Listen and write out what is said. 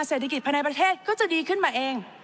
เศรษฐกิจภายในประเทศก็จะดีขึ้นมาเอง